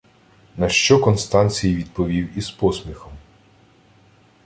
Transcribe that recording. На що Констанцій відповів із посміхом: